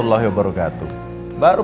waalaikumsalam warahmatullahi wabarakatuh